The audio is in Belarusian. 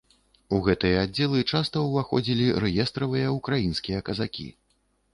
У гэтыя аддзелы часта ўваходзілі рэестравыя ўкраінскія казакі.